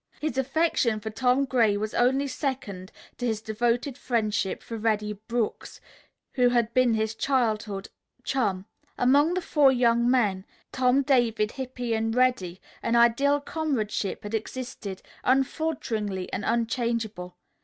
His affection for Tom Gray was only second to his devoted friendship for Reddy Brooks, who had been his childhood's chum. Among the four young men, Tom, David, Hippy and Reddy, an ideal comradeship had ever existed, unfaltering and unchangeable.